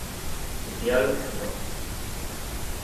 Sitial No.